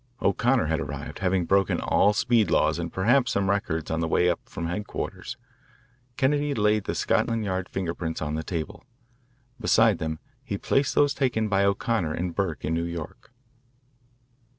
O'Connor had arrived, having broken all speed laws and perhaps some records on the way up from headquarters. Kennedy laid the Scotland Yard finger prints on the table. Beside them he placed those taken by O'Connor and Burke in New York.